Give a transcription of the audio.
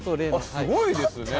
すごいですね。